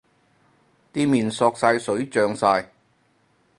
啲麵索晒水脹晒